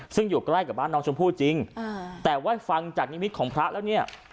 ซึ่งอยู่ใกล้กับบ้านน้องชมพู่จริงแต่ว่าฟังจากนิมิตของพระแล้วเนี่ย